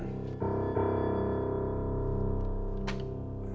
terus kenapa nih